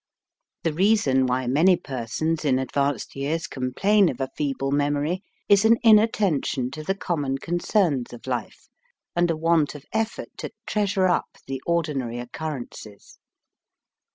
The reason why many persons in advanced years complain of a feeble memory is an inattention to the common con cerns of life, and a want of effort to treasure up the ordinary occurrences.